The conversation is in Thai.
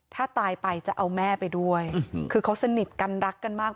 ถ้าตายไปจะเอาแม่ไปด้วยคือเขาสนิทกันรักกันมาก